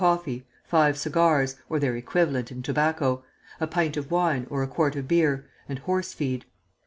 coffee, five cigars, or their equivalent in tobacco, a pint of wine or a quart of beer, and horse feed.